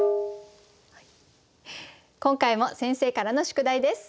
今回も先生からの宿題です。